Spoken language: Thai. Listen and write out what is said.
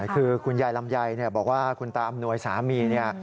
คือคุณยายลำไยบอกว่าคุณตาอำนวยสามีเนี่ย